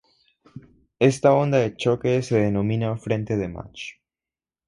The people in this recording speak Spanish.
Esta onda de choque se denomina frente de Mach.